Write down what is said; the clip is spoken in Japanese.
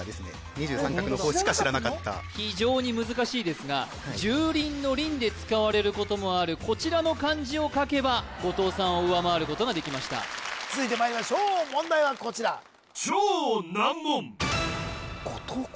２３画の方しか知らなかった非常に難しいですが蹂躪の躪で使われることもあるこちらの漢字を書けば後藤さんを上回ることができました続いてまいりましょう問題はこちら後藤弘